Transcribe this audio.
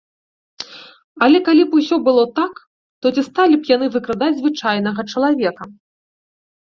Але калі б усё было так, то ці сталі б яны выкрадаць звычайнага чалавека?